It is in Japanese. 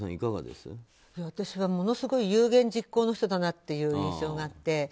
私はものすごい有言実行の人だという印象があって。